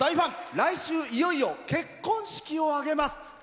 来週いよいよ結婚式を挙げます。